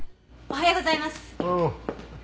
おはよう。